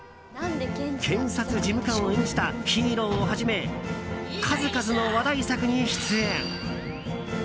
検察事務官を演じた「ＨＥＲＯ」をはじめ数々の話題作に出演。